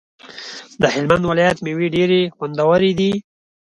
د هلمند ولایت ميوی ډيری خوندوری دی